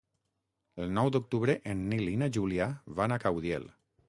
El nou d'octubre en Nil i na Júlia van a Caudiel.